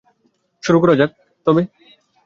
শুরু করা যাক তবে?